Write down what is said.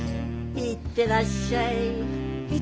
行ってらっしゃい。